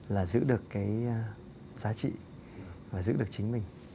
là giữ được cái giá trị và giữ được chính mình